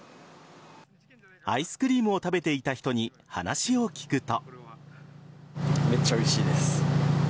アイスクリームを食べていた人に話を聞くと。